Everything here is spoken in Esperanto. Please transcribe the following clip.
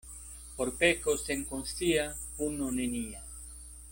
Por peko senkonscia puno nenia.